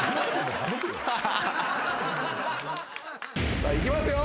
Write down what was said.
さあいきますよ。